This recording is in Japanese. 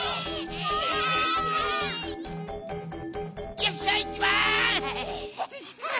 よっしゃ１ばん！